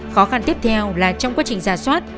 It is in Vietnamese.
khó khăn tiếp theo là trong quá trình giả soát